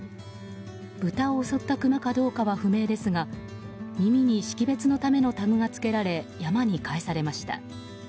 豚を襲ったクマかどうかは不明ですが耳に識別のためのタグがつけられ山に返されました。